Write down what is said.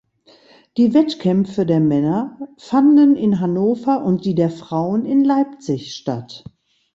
Die Wettkämpfe der Männer fanden in Hannover und die der Frauen in Leipzig statt.